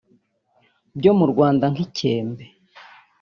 byo mu Rwanda nk’icyembe